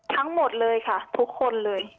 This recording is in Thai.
ทั้งหมดเลยค่ะทุกคนเลย